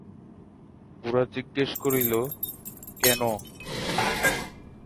গোরা জিজ্ঞাসা করিল, কেন?